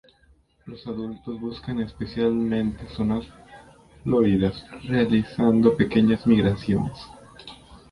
Los adultos buscan especialmente zonas floridas realizando pequeñas migraciones.